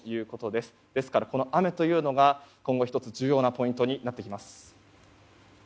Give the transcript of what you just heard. ですから、この雨というのが今後１つ重要なポイントになってきます。